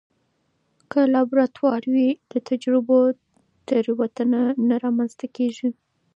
که لابراتوار وي، د تجربو تېروتنه نه رامنځته کېږي.